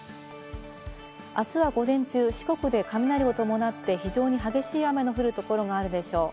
明日は午前中、四国で雷を伴って、非常に激しい雨の降る所があるでしょう。